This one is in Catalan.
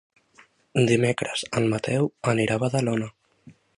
Dimecres en Mateu anirà a Badalona.